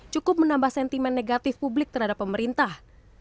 cukup menambah sentimen negatif publik terhadap pemerintah